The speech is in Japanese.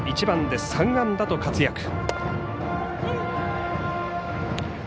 １番で３安打と活躍。